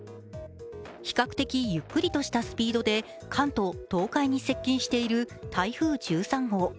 比較的ゆっくりとしたスピードで関東・東海に接近している台風１３号。